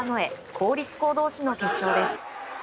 公立校同士の決勝です。